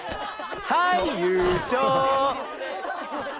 はい優勝！